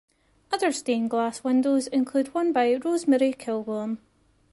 Other stained glass windows include one by Rosemary Kilbourn.